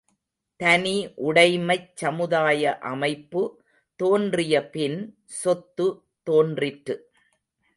தனி உடைமைச் சமுதாய அமைப்பு தோன்றிய பின் சொத்து தோன்றிற்று.